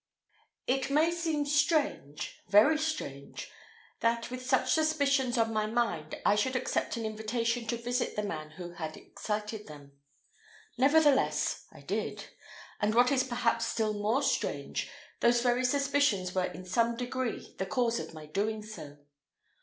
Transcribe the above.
It may seem strange, very strange, that with such suspicions on my mind, I should accept an invitation to visit the man who had excited them. Nevertheless I did, and what is perhaps still more strange, those very suspicions were in some degree the cause of my doing so.